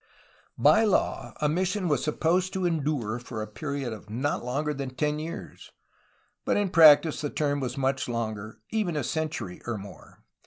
By law a mission was supposed to endure for a period of not longer than ten years, but in practice the term was much longer — even a century or more.